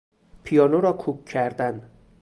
پیانو را کوک کردن